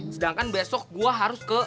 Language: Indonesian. sedangkan besok gue harus ke